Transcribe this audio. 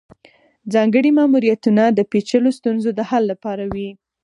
ځانګړي ماموریتونه د پیچلو ستونزو د حل لپاره وي